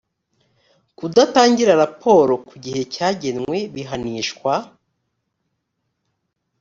kudatangira raporo ku gihe cyagenwe bihanishwa